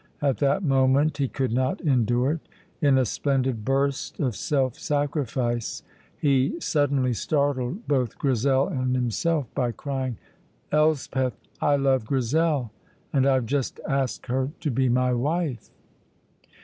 At that moment he could not endure it. In a splendid burst of self sacrifice he suddenly startled both Grizel and himself by crying, "Elspeth, I love Grizel, and I have just asked her to be my wife."